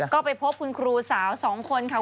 ก็ไปพบคุณครูสาว๒คนค่ะ